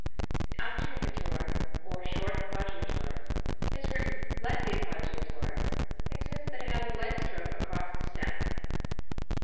52.] 75. The acciaccatura (or short appoggiatura) is written like the appoggiatura except that it has a light stroke across its stem.